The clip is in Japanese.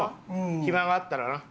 暇があったらな。